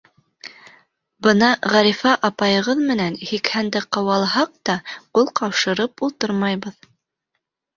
— Бына Ғәрифә апайығыҙ менән һикһәнде ҡыуалаһаҡ та, ҡул ҡаушырып ултырмайбыҙ.